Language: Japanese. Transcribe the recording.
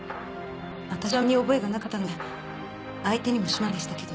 私は身に覚えがなかったので相手にもしませんでしたけど。